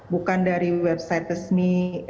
bukan dari website resmi